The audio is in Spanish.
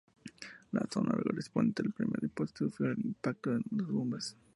La zona correspondiente al primer depósito sufrió el impacto de numerosas bombas.